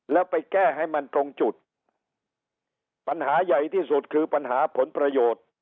แล้วไปแก้ให้มันตรงจุดปัญหาใหญ่ที่สุดคือปัญหาผลประโยชน์